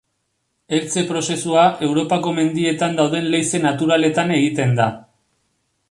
Heltze prozesua Europako Mendietan dauden leize naturaletan egiten da.